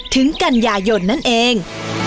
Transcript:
ถึงกันยายนนั่นเอง